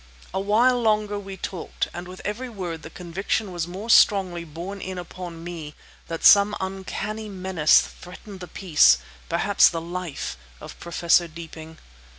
A while longer we talked; and with every word the conviction was more strongly borne in upon me that some uncanny menace threatened the peace, perhaps the life, of Professor Deeping.